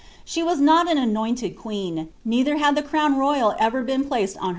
She was not M anointed queen, neither had the crown royal ever been placed brow.'